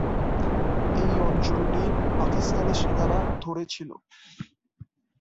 এই অঞ্চলটি পাকিস্তানি সেনারা ধরে ছিল।